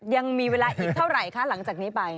ยังมีเวลาอีกเท่าไหร่คะหลังจากนี้ไป